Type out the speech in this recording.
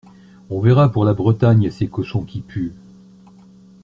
On verra pour la Bretagne et ses cochons qui puent